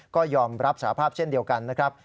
ก็ยอมรับสาภาพเช่นเดียวกันนะครับ